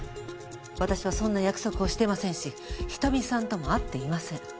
私はそんな約束をしていませんし瞳さんとも会っていません。